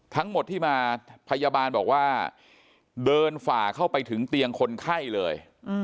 ทั้งหมดที่มาพยาบาลบอกว่าเดินฝ่าเข้าไปถึงเตียงคนไข้เลย